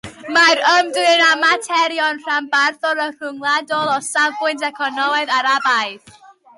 Mae'n ymdrin â materion rhanbarthol a rhyngwladol o safbwynt economaidd Arabaidd.